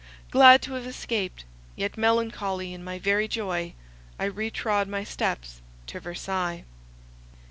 Glad to have escaped, yet melancholy in my very joy, I retrod my steps to Versailles.